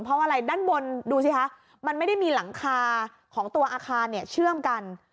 เพราะอะไรด้านบนดูสิคะมันไม่ได้มีหลังคาของตัวอาคารเนี่ยเชื่อมกัน